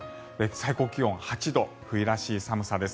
最高気温８度冬らしい寒さです。